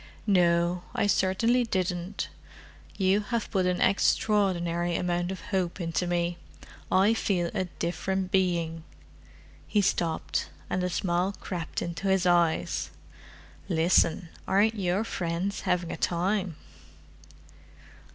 "No, I certainly didn't. You have put an extraordinary amount of hope into me: I feel a different being." He stopped, and a smile crept into his eyes. "Listen—aren't your friends having a time!"